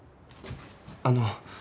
あの。